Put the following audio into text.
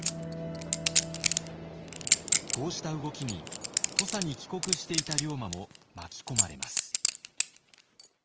こうした動きに土佐に帰国していた龍馬も巻き込まれます。